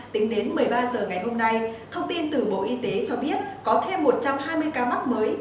tính đến một mươi ba h ngày hôm nay thông tin từ bộ y tế cho biết có thêm một trăm hai mươi ca mắc mới